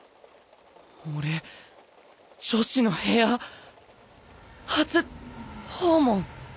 俺女子の部屋初訪問！？